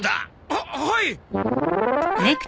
はっはい！